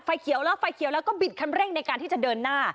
เขียวแล้วไฟเขียวแล้วก็บิดคันเร่งในการที่จะเดินหน้า